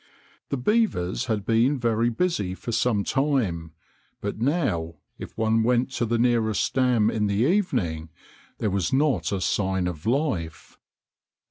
The beavers had been very busy for some time, but now, if one went to the nearest dam in the evening, there was not a sign of life.